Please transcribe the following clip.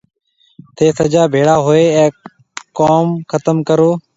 ٿَي سجا ڀيڙا هوئي اَي ڪوم ختم ڪرون۔